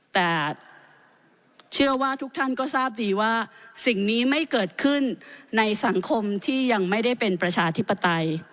แต่เชื่อว่าทุกท่านก็ทราบดีว่าสิ่งนี้ไม่เกิดขึ้นในสังคมที่ยังไม่ได้เป็นประชาธิปไตย